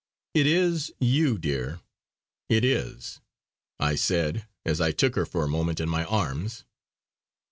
"It is, you dear! it is!" I said as I took her for a moment in my arms.